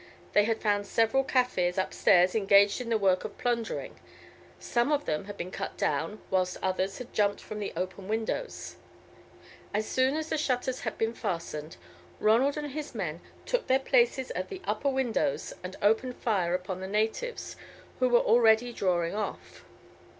They had found several Kaffirs upstairs engaged in the work of plundering. Some of them had been cut down, whilst others had jumped from the open windows. As soon as the shutters had been fastened, Ronald and his men took their places at the upper windows and opened fire upon the natives, who were already drawing off.